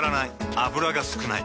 油が少ない。